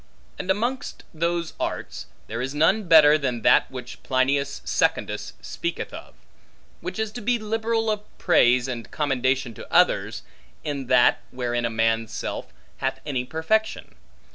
And amongst those arts, there is none better than that which Plinius Secundus speaketh of, which is to be liberal of praise and commendation to others, in that, wherein a man's self hath any perfection.